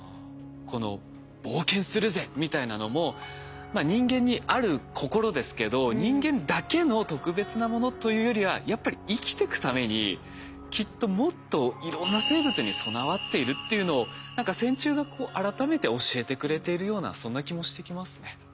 この「冒険するぜ」みたいなのも人間にある心ですけど人間だけの特別なものというよりはやっぱり生きてくためにきっともっといろんな生物に備わっているっていうのを何か線虫が改めて教えてくれているようなそんな気もしてきますね。